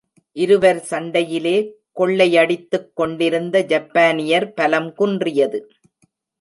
இருவர் சண்டையிலே கொள்ளையடித்துக் கொண்டிருந்த ஜப்பானியர் பலம் குன்றியது.